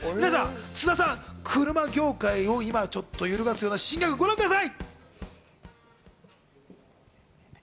津田さん、車業界を揺るがすような新ギャグをご覧ください。